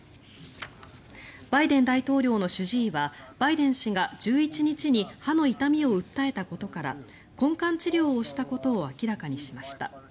バイデン大統領の主治医はバイデン氏が１１日に歯の痛みを訴えたことから根管治療をしたことを明らかにしました。